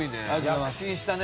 躍進したね。